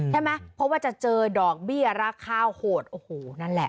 ใช่ไหมเพราะว่าจะเจอดอกเบี้ยราคาโหดโอ้โหนั่นแหละ